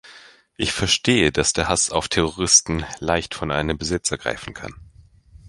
Ich verstehe, dass der Hass auf Terroristen leicht von einem Besitz ergreifen kann.